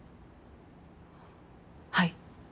はい。